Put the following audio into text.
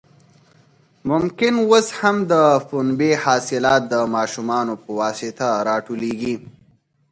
ممکن اوس هم د پنبې حاصلات د ماشومانو په واسطه راټولېږي.